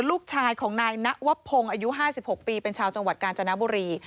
ลูกชายของนายนวพงศ์อายุ๕๖ปีเป็นชาวจังหวัดกาญจนบุรี